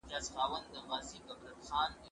ږغ واوره!؟